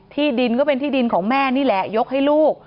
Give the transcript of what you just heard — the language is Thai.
ที่ดินก็เป็นที่ดินของแม่นี่แหละยกให้ลูก